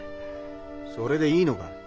それでいいのか？